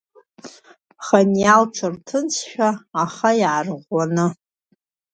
Ханиа лҽаарҭынчшәа, аха иаарӷәӷәаны.